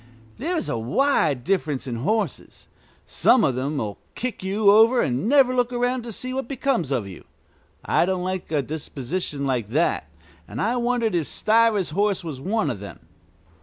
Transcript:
There is a wide difference in horses. Some of them will kick you over and never look around to see what becomes of you. I don't like a disposition like that, and I wondered if Stiver's horse was one of them.